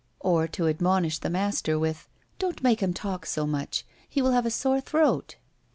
or to admonish the master with :" Don't make him talk so much, he will have a sore throat."